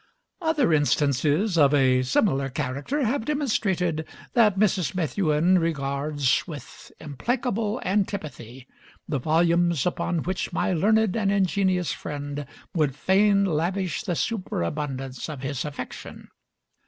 Other instances of a similar character have demonstrated that Mrs. Methuen regards with implacable antipathy the volumes upon which my learned and ingenious friend would fain lavish the superabundance of his affection.